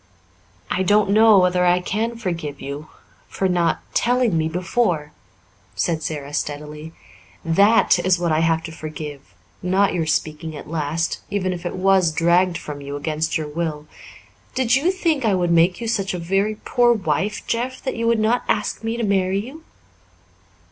"I don't know whether I can forgive you for not telling me before," said Sara steadily. "That is what I have to forgive not your speaking at last, even if it was dragged from you against your will. Did you think I would make you such a very poor wife, Jeff, that you would not ask me to marry you?"